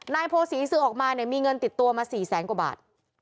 นายโพศีซึกออกมาเนี่ยมีเงินติดตัวมาสี่แสนกว่าบาท